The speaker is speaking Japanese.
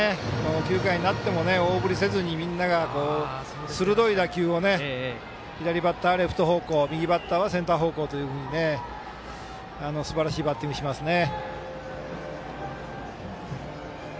９回になっても大振りせずにみんなが鋭い打球を左バッターはレフト方向右バッターはセンター方向というふうにすばらしいバッティングしますね。